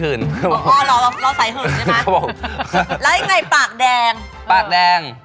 อ๋อเราใส่หืนใช่ไหมเขาบอกแล้วยังไงปากแดงปากแดง